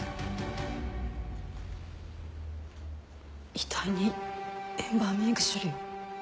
遺体にエンバーミング処理を。